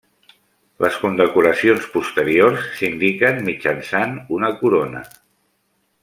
Les condecoracions posteriors s'indiquen mitjançant una corona.